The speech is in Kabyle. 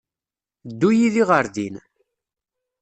Ddu yid-i ɣer din.